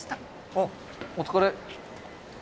ああお疲れ